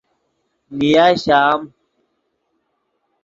نیا شام